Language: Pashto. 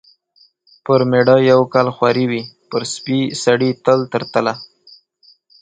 پر مېړه یو کال خواري وي ، پر سپي سړي تل تر تله .